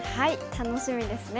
楽しみですね。